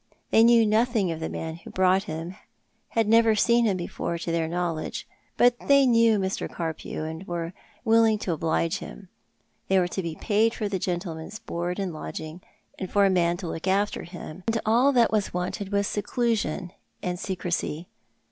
They knew nothing of the man who brought him, had never seen him before to their knowledge, but they knew Mr. Carpew, and were willing to Death in Life. 2 89 oblige him. They were to be piitl for the gentleman's board and lodging, and for a man to look after bini, and all that was wanted was seclnsion and secrecy.